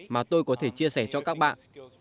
mà tôi có thể chia sẻ cho các bạn